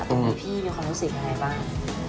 ตรงนี้พี่มีความรู้สึกอะไรบ้าง